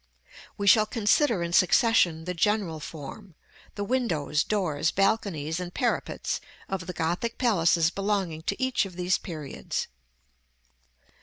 We shall consider in succession the general form, the windows, doors, balconies, and parapets, of the Gothic palaces belonging to each of these periods.